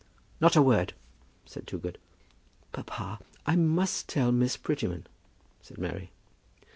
"Not a word," said Toogood. "Papa, I must tell Miss Prettyman," said Mary.